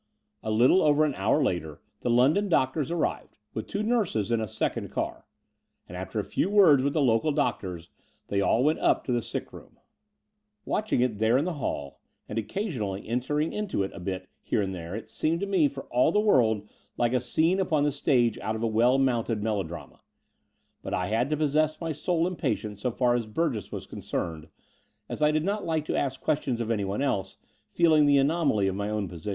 A little over an hour later the London doctors arrived, with two nurses in a second car ; and, after a few words with the local doctors, they all went up to the sick room. Watching it there in the hall, and occasionally entering into a bit here and tljiere, it seemed to me for all the world like a scene upon the stage out of a well mounted melodrama : but I had to possess my soul in patience so far as Burgess was concerned, as I did not like to ask questions of anyone else, feeling the anomaly of my own position.